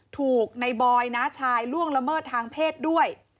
ถูกในบอยน้าชายล่วงละเมิดทางเพศด้วย